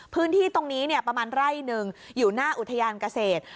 พื้นที่ตรงนี้ประมาณไร่หนึ่งอยู่หน้าอุทยานเกษตร